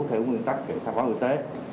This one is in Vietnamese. theo nguyên tắc kể sát quẩn y tế